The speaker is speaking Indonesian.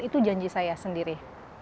itu janji saya sendiri